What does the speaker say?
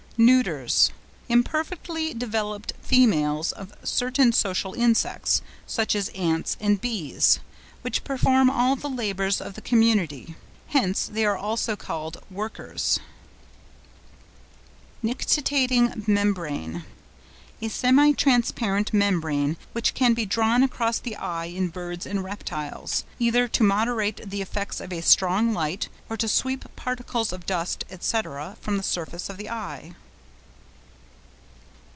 NEUTERS.—Imperfectly developed females of certain social insects (such as ants and bees), which perform all the labours of the community. Hence, they are also called workers. NICTITATING MEMBRANE.—A semi transparent membrane, which can be drawn across the eye in birds and reptiles, either to moderate the effects of a strong light or to sweep particles of dust, &c., from the surface of the eye.